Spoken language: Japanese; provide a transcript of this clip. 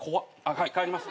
はい帰ります。